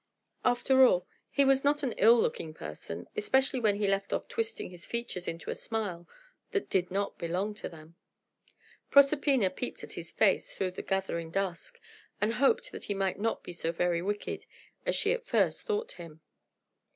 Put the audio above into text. After all, he was not an ill looking person, especially when he left off twisting his features into a smile that did not belong to them. Proserpina peeped at his face through the gathering dusk, and hoped that he might not be so very wicked as she at first thought him.